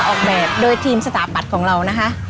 ออกแบบโดยทีมสถาปัตย์ของเรานะคะ